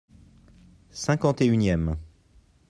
Cinquante et unième.